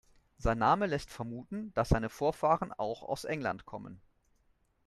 Sein Name lässt vermuten, dass seine Vorfahren auch aus England kommen.